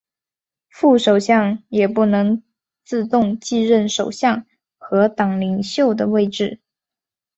副首相也不能自动继任首相和党领袖的位置。